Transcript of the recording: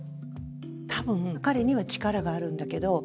多分彼には力があるんだけど。